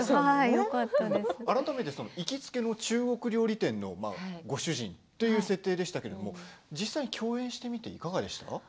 改めて行きつけの中国料理店のご主人という設定でしたけれど、実際に共演してみていかがでしたか？